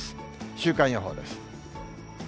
週間予報です。